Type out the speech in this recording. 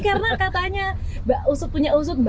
karena katanya mbak usut punya usut